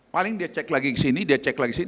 paling dia cek lagi kesini dia cek lagi kesini